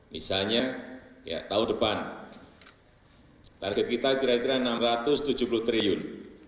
misalnya tahun depan target kita kira kira rp enam ratus tujuh puluh triliun